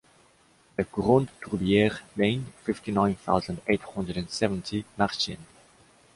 The Grande Tourbière Lane, fifty-nine thousand eight hundred and seventy, Marchiennes